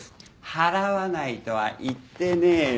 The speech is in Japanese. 払わないとは言ってねえよ。